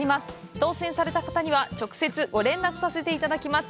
当せんされた方には、直接、ご連絡させていただきます。